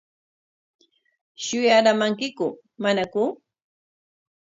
¿Shuyaraamankiku manaku?